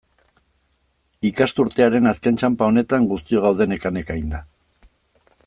Ikasturtearen azken txanpa honetan, guztiok gaude neka-neka eginda.